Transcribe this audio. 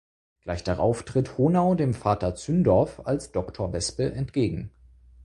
Gleich darauf tritt Honau dem Vater Zündorf als Doctor Wespe entgegen.